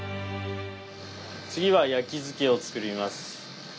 次は焼き漬けを作ります。